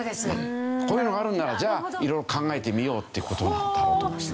こういうのがあるんならじゃあ色々考えてみようっていう事になったんだと思いますね。